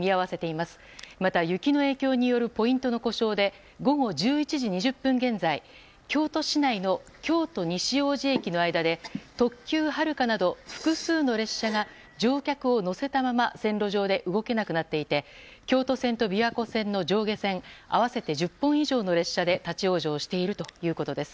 また雪の影響によるポイントの故障で午後１１時２０分現在京都市内の京都西大路駅の間で特急「はるか」など複数の列車が乗客を乗せたまま線路上で動けなくなっていて京都線と琵琶湖線の上下線合わせて１０本以上の列車で立ち往生しているということです。